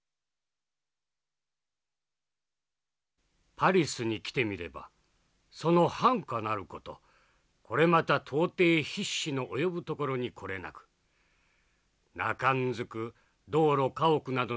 「パリスに来てみればその繁華なる事これまた到底筆紙の及ぶところにこれなくなかんずく道路家屋などの広大なる事。